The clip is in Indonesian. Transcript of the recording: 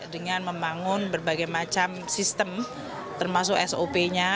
dengan membangun berbagai macam sistem termasuk sop nya